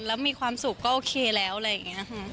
แล้วมีความสุขก็โอเคแล้วอะไรอย่างนี้ค่ะ